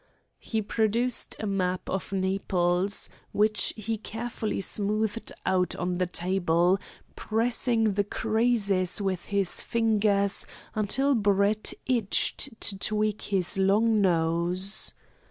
He produced a map of Naples, which he carefully smoothed out on the table, pressing the creases with his fingers until Brett itched to tweak his long nose.